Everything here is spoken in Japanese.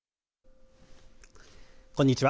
こんにちは。